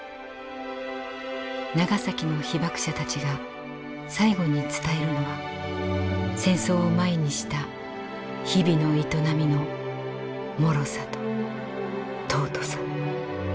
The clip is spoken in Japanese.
「ナガサキ」の被爆者たちが最後に伝えるのは戦争を前にした日々の営みのもろさと尊さ。